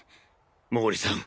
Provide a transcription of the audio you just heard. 毛利さん